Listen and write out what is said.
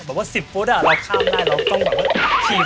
แต่ว่า๑๐ฟุตเราข้ามได้เราต้องขีด